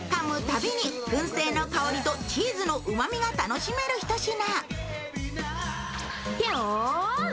たびに燻製の香りとチーズのうまみが楽しめる一品。